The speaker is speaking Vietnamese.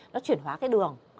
nó chuyển hóa cái đường